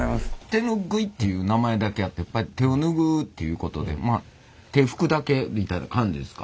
手ぬぐいっていう名前だけあってやっぱり手をぬぐうっていうことで手拭くだけみたいな感じですか？